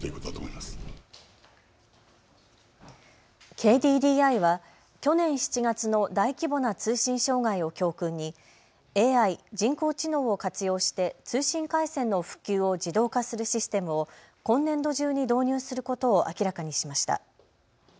ＫＤＤＩは去年７月の大規模な通信障害を教訓にＡＩ・人工知能を活用して通信回線の復旧を自動化するシステムを今年度中に導入することを明らかにしました。